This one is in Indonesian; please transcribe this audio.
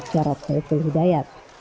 jarod saiful hidayat